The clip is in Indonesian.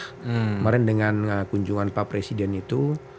kemarin dengan kunjungan pak presiden itu